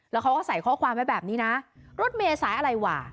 แล้วเขาก็ใส่ข้อความไว้แบบนี้นะรถเมย์สายอะไรว่ะ